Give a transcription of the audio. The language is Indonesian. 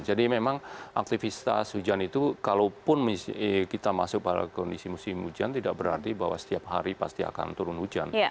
jadi memang aktivitas hujan itu kalaupun kita masuk pada kondisi musim hujan tidak berarti bahwa setiap hari pasti akan turun hujan